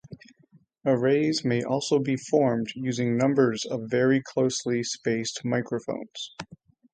Arrays may also be formed using numbers of very closely spaced microphones.